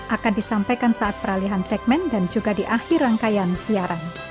akan disampaikan saat peralihan segmen dan juga di akhir rangkaian siaran